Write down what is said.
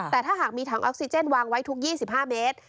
แต่ถ้าหากมีถังออกซิเจนวางไว้ทุก๒๕เมตร